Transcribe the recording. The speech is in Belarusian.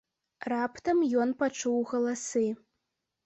Раптам ён пачуў галасы.